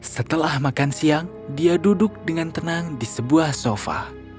setelah makan siang dia duduk dengan tenang di sebuah sofa